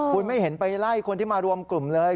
คุณไม่เห็นไปไล่คนที่มารวมกลุ่มเลย